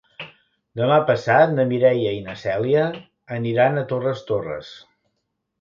Demà passat na Mireia i na Cèlia aniran a Torres Torres.